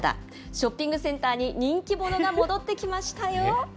ショッピングセンターに、人気者が戻ってきましたよ。